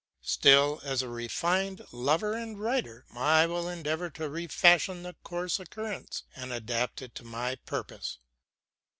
Still, as a refined lover and writer, I will endeavor to refashion the coarse occurrence and adapt it to my purpose.